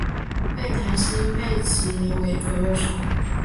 被谭鑫培倚为左右手。